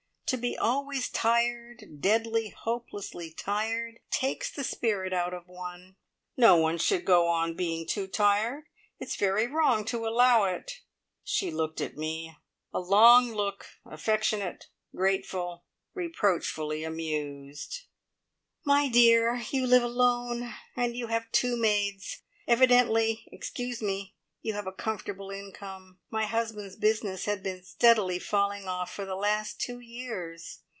To be always tired deadly, hopelessly tired takes the spirit out of one." "No one should go on being too tired. It's very wrong to allow it." She looked at me; a long look, affectionate, grateful, reproachfully amused. "My dear, you live alone, and you have two maids. Evidently excuse me you have a comfortable income. My husband's business has been steadily falling off for the last two years.